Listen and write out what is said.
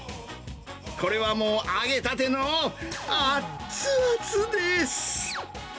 これはもう、揚げたてのあっつあつです。